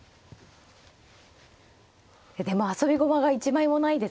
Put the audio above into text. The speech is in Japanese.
でも遊び駒が一枚もないですね。